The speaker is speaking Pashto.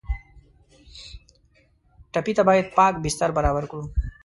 ټپي ته باید پاک بستر برابر کړو.